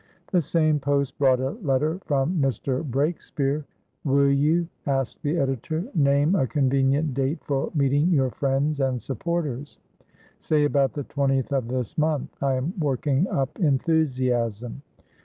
The same post brought a letter from Mr. Breakspeare, "Will you," asked the editor, "name a convenient date for meeting your friends and supporters? Say, about the 20th of this month. I am working up enthusiasm.